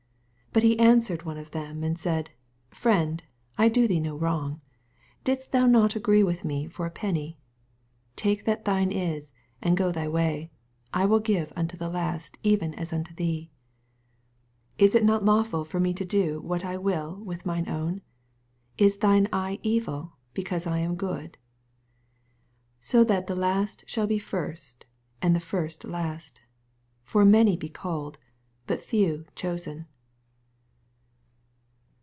13 But he answered one or them, and said, Friend, I do thee no wrong : didst not thou agree with me for a penny? 14 Take that thine is, and go thy way : I will give unto this last even as unto thee. 15 Is it not lawful for me to do what I wUl with mine own ? Is thine eye evil, cleanse I am good ? 16 So the last shall be first, and the first last : for many be oalled, but few chosen.